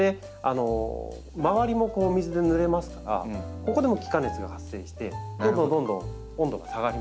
周りも水でぬれますからここでも気化熱が発生してどんどんどんどん温度が下がります。